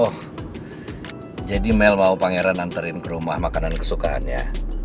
oh jadi mel mau pangeran anterin ke rumah makanan kesukaannya